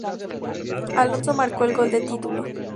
Alonso marcó el gol de título.